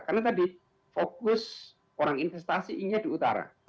karena tadi fokus orang investasi ini di utara